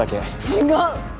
違う！